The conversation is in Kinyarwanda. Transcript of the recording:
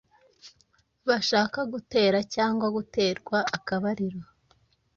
bashaka gutera cyangwa guterwa akabariro